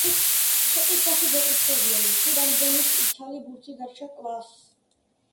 შეკითხვაში გვეკითხებიან თუ რამდენი ცალი ბურთი დარჩა კლასს?